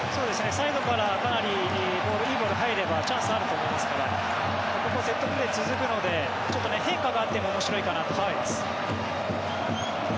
サイドからかなりいいボールが入ればチャンスはあると思いますからここもセットプレー続くのでちょっと変化があっても面白いかなと思ってます。